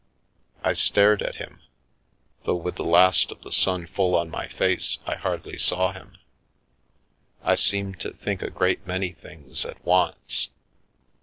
I stared at him, though with the last of the sun full on my face I hardly saw him. I seemed to think a great many things at once.